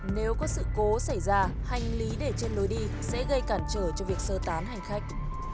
nếu có sự cố xảy ra hành lý để trên lối đi sẽ gây cản trở cho việc sơ tán hành khách